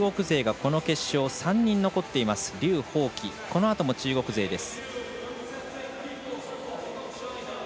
このあとも中国勢です。